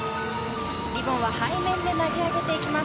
リボンは背面で投げ上げていきます。